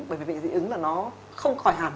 bởi vì dị ứng là nó không khỏi hẳn